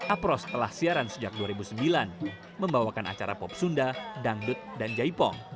apros telah siaran sejak dua ribu sembilan membawakan acara pop sunda dangdut dan jaipong